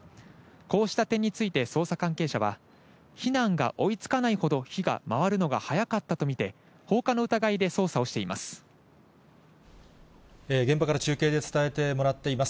こうした点について、捜査関係者は、避難が追いつかないほど火が回るのが早かったと見て、放火の疑い現場から中継で伝えてもらっています。